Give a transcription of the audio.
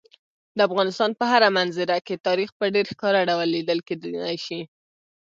د افغانستان په هره منظره کې تاریخ په ډېر ښکاره ډول لیدل کېدی شي.